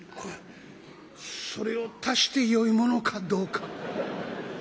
「それを足してよいものかどうか。